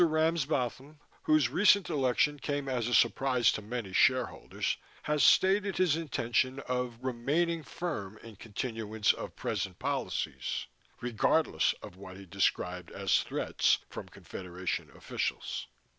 Ramsbotham, whose recent election came as a surprise to many shareholders, has stated his intention of "remaining firm in continuance of present policies" regardless of what he described as "threats" from Confederation officials.